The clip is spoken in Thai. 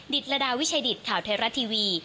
ดิดละดาวิชาดิดข่าวไทยรัฐทีวี